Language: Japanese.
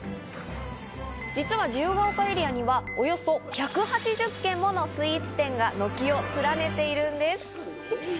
実は自由が丘エリアにはおよそ１８０軒ものスイーツ店が軒を連ねているんです。